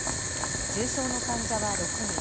重症の患者は６人。